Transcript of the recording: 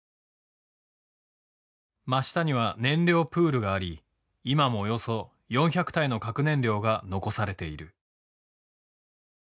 真下には燃料プールがあり今もおよそ４００体の核燃料が残されている。